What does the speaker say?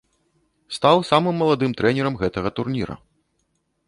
Стаў самым маладым трэнерам гэтага турніра.